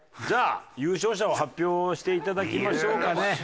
じゃあ優勝者を発表していただきましょうかね。